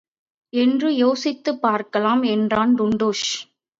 என்று யோசித்துப் பார்க்கலாம்! என்றான் டுண்டுஷ்.